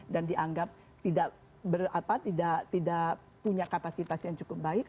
dan dianggap tidak punya kapasitas yang cukup baik